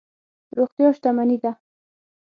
روغتیا شتمني ده.